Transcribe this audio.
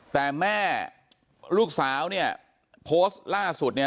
แต่แม่ลูกสาวเนี่ยโพสต์ล่าสุดเนี่ย